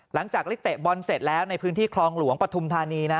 หลังจากได้เตะบอลเสร็จแล้วในพื้นที่คลองหลวงปฐุมธานีนะ